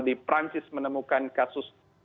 di prancis menemukan kasus